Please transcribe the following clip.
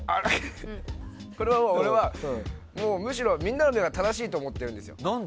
これは俺はむしろみんなが正しいと思ってるんですよ。